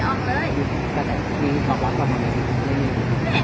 แต่ถึงอีกถอดคำว่าความภังแย่